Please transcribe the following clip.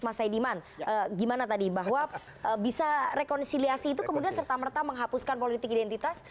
mas saidiman gimana tadi bahwa bisa rekonsiliasi itu kemudian serta merta menghapuskan politik identitas